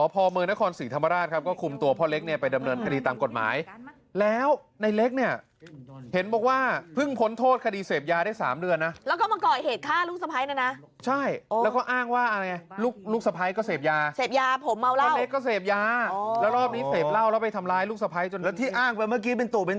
โปรดติดตามตอนต่อไป